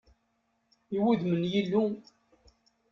I wuddem n Yillu!